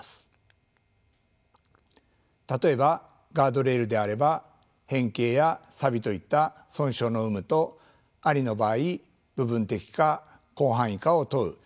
例えばガードレールであれば変形やさびといった損傷の有無と有りの場合部分的か広範囲かを問うシンプルな内容となっています。